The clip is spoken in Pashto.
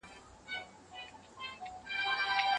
کارونه مو منظمیږي.